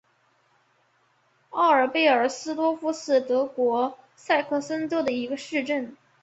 奥尔贝尔斯多夫是德国萨克森州的一个市镇。